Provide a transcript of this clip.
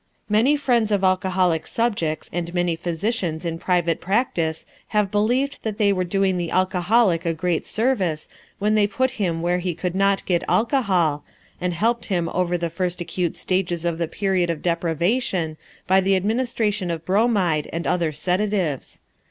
Many friends of alcoholic subjects and many physicians in private practice have believed that they were doing the alcoholic a great service when they put him where he could not get alcohol, and helped him over the first acute stages of the period of deprivation by the administration of bromide and other sedatives.